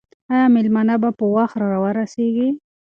آیا مېلمانه به په وخت راورسېږي؟